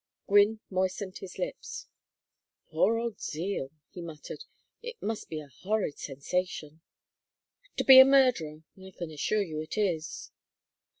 Gwynne moistened his lips. "Poor old Zeal," he muttered. "It must be a horrid sensation " "To be a murderer? I can assure you it is."